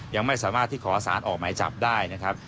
ยังไม่สามารถที่ขอสารออกหมายจับได้นะครับ